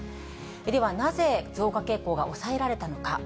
では、なぜ増加傾向が抑えられたのか。